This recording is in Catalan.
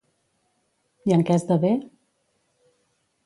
I en què esdevé?